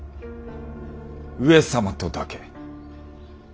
上様とだけ。